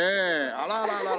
あらららら。